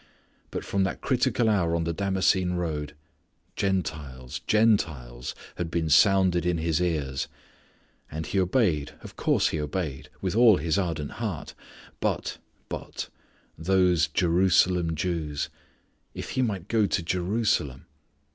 But from that critical hour on the Damascene road "Gentiles Gentiles" had been sounded in his ears. And he obeyed, of course he obeyed, with all his ardent heart. But, but those Jerusalem Jews! If he might go to Jerusalem!